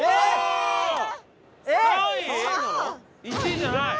１位じゃない。